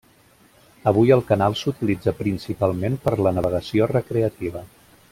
Avui el canal s'utilitza principalment per a la navegació recreativa.